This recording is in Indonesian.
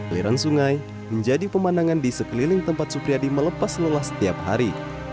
aliran sungai menjadi pemandangan di sekeliling tempat supriyadi melepas lelah setiap hari